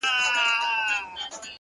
زما چيلمه چي زما پر کور راسي لنگر ووهي;